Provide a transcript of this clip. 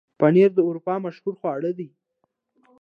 پنېر د اروپا مشهوره خواړه ده.